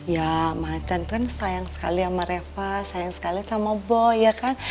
ya mahattan kan sayang sekali sama reva sayang sekali sama boy ya kan